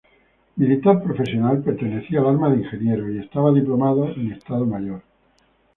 Militar profesional, pertenecía al arma de ingenieros y estaba diplomado en Estado Mayor.